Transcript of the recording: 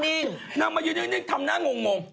นังมาแย่นิ่งทำงง